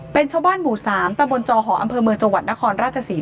๗๓เป็นชาวบ้านหมู่๓ตำบลจอหออำเพิร์มือจวันนครราชศี